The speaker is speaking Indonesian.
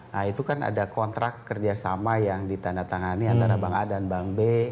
nah itu kan ada kontrak kerjasama yang ditandatangani antara bank a dan bank b